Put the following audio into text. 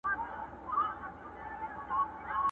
په زړه سوي به یې نېکمرغه مظلومان سي،